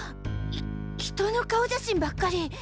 ひ人の顔写真ばっかり。